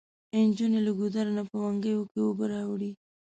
انجونې له ګودر نه په منګيو کې اوبه راوړي.